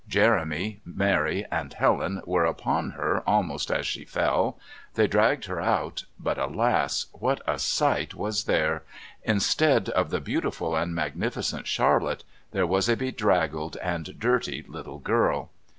Jeremy, Mary and Helen were upon her almost as she fell. They dragged her out, but alas! what a sight was there! Instead of the beautiful and magnificent Charlotte there was a bedraggled and dirty little girl.